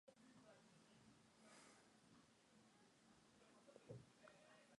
Энэхүү байгууллагуудын үйл ажиллагааны хэлбэрийг дараах дөрвөн хэсэгт хуваан үзэж болох юм.